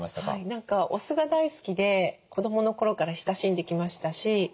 何かお酢が大好きで子どもの頃から親しんできましたし